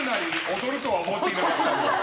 踊りとは思っていなかったね。